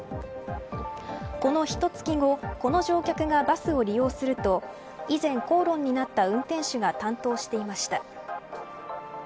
このひと月後この乗客がバスを利用すると以前口論になった運転手が担当していました。